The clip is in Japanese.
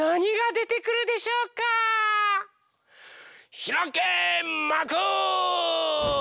ひらけまく！